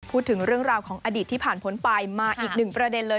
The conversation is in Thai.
พูดถึงเรื่องราวของอดีตที่ผ่านพ้นไปมาอีกหนึ่งประเด็นเลย